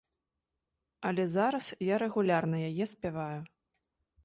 Але зараз я рэгулярна яе спяваю.